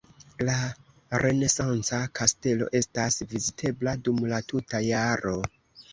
La renesanca kastelo estas vizitebla dum la tuta jaro.